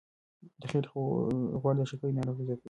د خېټې غوړ د شکرې ناروغي زیاتوي.